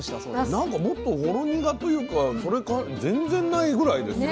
なんかもっとほろ苦というかそれ全然ないぐらいですよ。